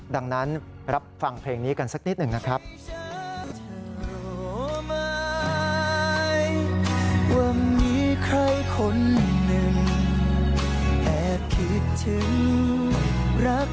ดังนั้นรับฟังเพลงนี้กันสักนิดหนึ่งนะครับ